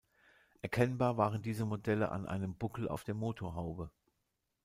Erkennbar waren diese Modelle an einem Buckel auf der Motorhaube.